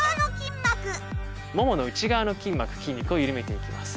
ももの内側の筋膜筋肉を緩めて行きます。